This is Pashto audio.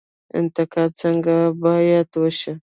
انتقاد څنګه باید وشي؟